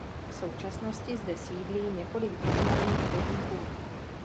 V současnosti zde sídlí několik významných podniků.